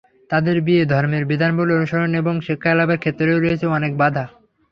তাদের বিয়ে, ধর্মের বিধানাবলি অনুসরণ এবং শিক্ষা লাভের ক্ষেত্রেও রয়েছে অনেক বাধা।